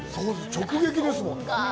直撃ですもんね。